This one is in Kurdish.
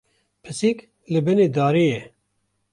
Pisîk li binê darê ye.